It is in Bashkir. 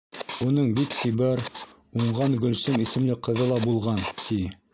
Уның бик сибәр, уңған Гөлсөм исемле ҡыҙы ла булған, ти.